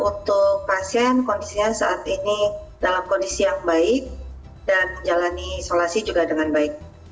untuk pasien kondisinya saat ini dalam kondisi yang baik dan menjalani isolasi juga dengan baik